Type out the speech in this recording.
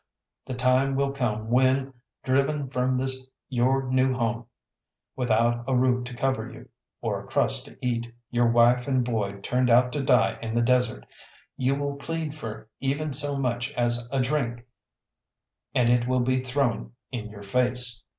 The time will come when, driven from this your new home, without a roof to cover you, or a crust to eat, your wife and boy turned out to die in the desert, you will plead for even so much as a drink, and it will be thrown in your face.